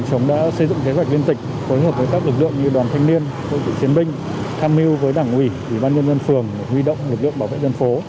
chiến binh tham mưu với đảng ủy ủy ban nhân dân phường huy động lực lượng bảo vệ dân phố